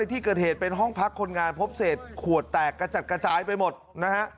ที่เกิดเหตุเป็นห้องพักคนงานพบเศษขวดแตกกระจัดกระจายไปหมดนะฮะ